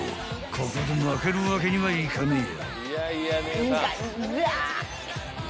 ［ここで負けるわけにはいかねえ］